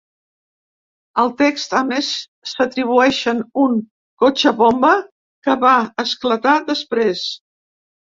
Al text, a més, s’atribueixen un cotxe bomba que va esclatar després.